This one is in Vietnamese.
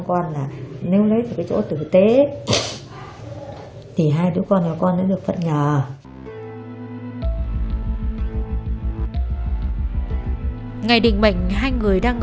con là nếu lấy cái chỗ tử tế thì hai đứa con là con đã được phận nhờ ngày định mệnh hai người đang